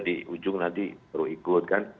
di ujung nanti perlu ikut kan